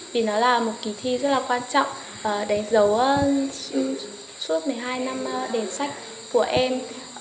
vì nó là một kỳ thi rất là quan trọng đánh dấu suốt một mươi hai năm đề sách của em